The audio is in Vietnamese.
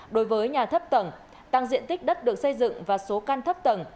đối với nhà thấp tầng tăng diện tích đất được xây dựng và số căn thấp tầng